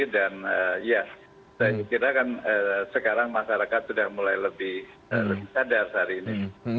dan ya saya kira kan sekarang masyarakat sudah mulai lebih sadar hari ini